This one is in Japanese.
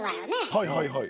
はいはいはい。